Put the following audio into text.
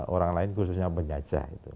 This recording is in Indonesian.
orang lain khususnya penjajah